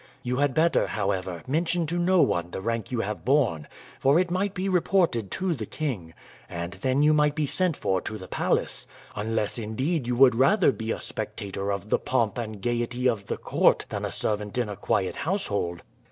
You had better, however, mention to no one the rank you have borne, for it might be reported to the king, and then you might be sent for to the palace; unless indeed you would rather be a spectator of the pomp and gayety of the court than a servant in a quiet household."